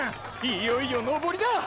いよいよ登りだ！！